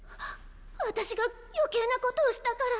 ワタシが余計なことをしたから。